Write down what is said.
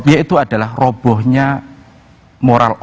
yaitu adalah robohnya moral